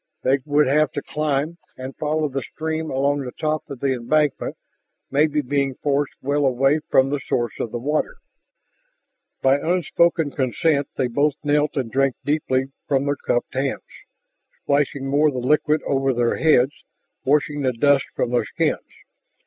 They would have to climb and follow the stream along the top of the embankment, maybe being forced well away from the source of the water. By unspoken consent they both knelt and drank deeply from their cupped hands, splashing more of the liquid over their heads, washing the dust from their skins.